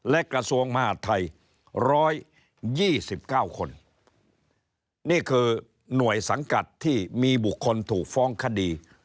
และกระทรวงมหาธัยร้อยยี่สิบเก้าคนนี่คือหน่วยสังกัดที่มีบุคคลถูกฟ้องคดี